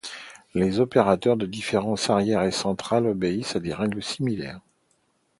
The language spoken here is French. Les opérateurs de différence arrière et centrale obéissent à des règles similaires.